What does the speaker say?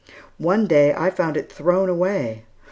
One day, I found it thrown away.